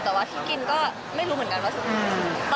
แต่ว่าที่กินก็ไม่รู้เหมือนกันว่าสุกหรือไม่สุก